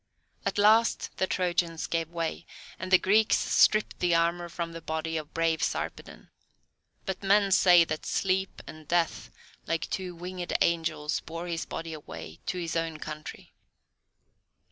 At last the Trojans gave way, and the Greeks stripped the armour from the body of brave Sarpedon; but men say that Sleep and Death, like two winged angels, bore his body away to his own country.